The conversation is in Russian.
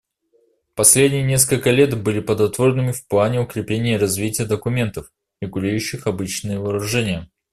Последние несколько лет были плодотворными в плане укрепления и развития документов, регулирующих обычные вооружения.